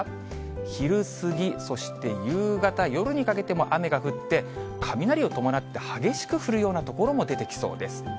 昼過ぎ、そして夕方、夜にかけても雨が降って、雷を伴って激しく降るような所も出てきそうです。